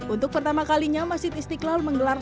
untuk pertama kalinya masjid istiqlal menggelar